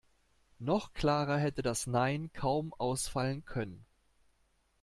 Noch klarer hätte das Nein kaum ausfallen können.